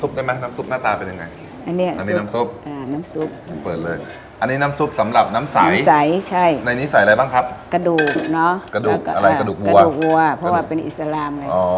เพราะว่าเป็นอิสราม